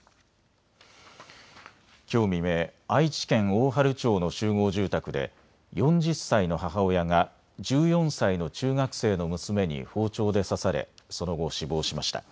きょう未明、愛知県大治町の集合住宅で４０歳の母親が１４歳の中学生の娘に包丁で刺され、その後、死亡しました。